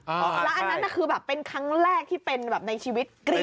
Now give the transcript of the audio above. แล้วอันนั้นคือแบบเป็นครั้งแรกที่เป็นแบบในชีวิต